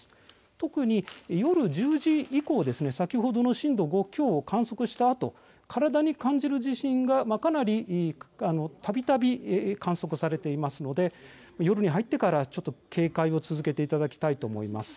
特に夜１０時以降ですね先ほどの震度５強を観測したあと体に感じる地震がかなりたびたび観測されていますので夜に入ってからちょっと警戒を続けていただきたいと思います。